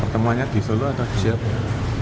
temuannya di solo atau di siapa